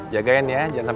sudah mereka selesai